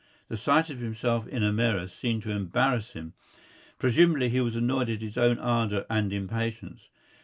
The sight of himself in a mirror seemed to embarrass him. Presumably he was annoyed at his own ardour and impatience.